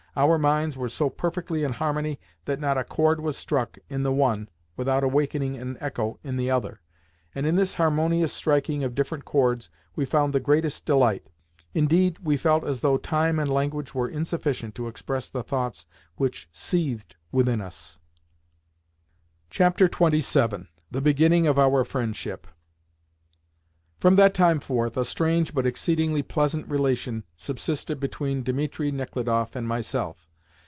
Our minds were so perfectly in harmony that not a chord was struck in the one without awakening an echo in the other, and in this harmonious striking of different chords we found the greatest delight. Indeed, we felt as though time and language were insufficient to express the thoughts which seethed within us. XXVII. THE BEGINNING OF OUR FRIENDSHIP From that time forth, a strange, but exceedingly pleasant, relation subsisted between Dimitri Nechludoff and myself.